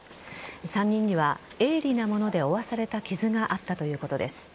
３人には鋭利なもので負わされた傷があったということです。